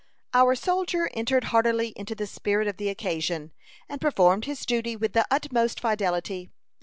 Our soldier entered heartily into the spirit of the occasion, and performed his duty with the utmost fidelity.